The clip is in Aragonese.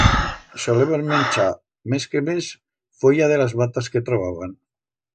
Soleban menchar, mes que mes, fuella de las matas que trobaban.